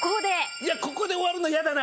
いやここで終わるの嫌だな。